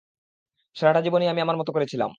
সারাটা জীবনই আমি আমার মত করে ছিলাম!